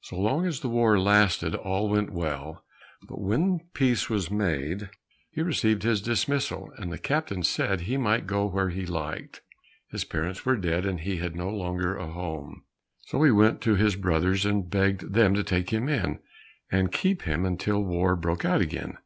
So long as the war lasted, all went well, but when peace was made, he received his dismissal, and the captain said he might go where he liked. His parents were dead, and he had no longer a home, so he went to his brothers and begged them to take him in, and keep him until war broke out again.